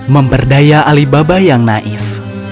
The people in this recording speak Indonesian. memberdaya alibaba yang naif